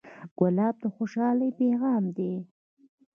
ګلاب د خوشحالۍ پیغام دی.